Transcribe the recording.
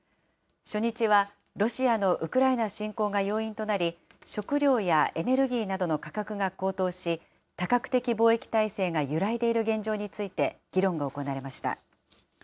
初日はロシアのウクライナ侵攻が要因となり、食料やエネルギーなどの価格が高騰し、多角的貿易体制が揺らいでいる現状について、議論が行われました。